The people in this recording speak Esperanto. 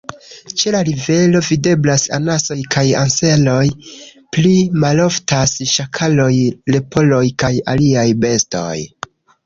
Ĉe la rivero videblas anasoj kaj anseroj; pli maloftas ŝakaloj, leporoj kaj aliaj bestoj.